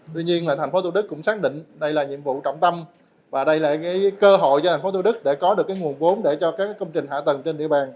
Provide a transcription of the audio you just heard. tuy nhiên tp hcm cũng xác định đây là nhiệm vụ trọng tâm và đây là cơ hội cho tp hcm để có được nguồn vốn để cho các công trình hạ tầng trên địa bàn